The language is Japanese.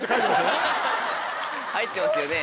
入ってますよね。